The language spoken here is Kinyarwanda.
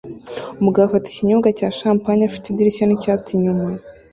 Umugabo afata ikinyobwa cya champagne afite idirishya nicyatsi inyuma